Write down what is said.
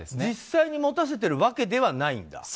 実際に持たせているわけではないんだ。